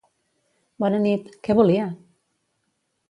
Bona nit, què volia?